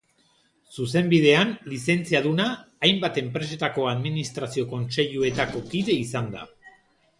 Zuzenbidean lizentziaduna, hainbat enpresetako administrazio kontseiluetako kide izan da.